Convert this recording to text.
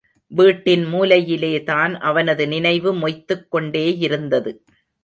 வீட்டின் மூலையிலேதான் அவனது நினைவு மொய்த்துக் கொண்டேயிருந்தது.